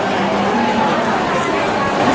ขอบคุณหมอครับ